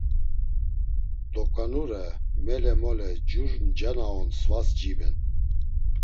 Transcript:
Doǩanure, mele mole cur nca na on svas ciben.